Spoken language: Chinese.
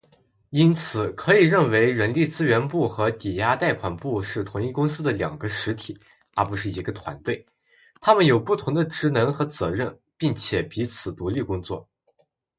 因此，可以认为人力资源部和抵押贷款部是同一公司的两个实体，而不是一个团队。它们有不同的职能和责任，并且彼此独立工作。